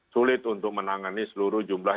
sulit untuk menangani seluruh jumlah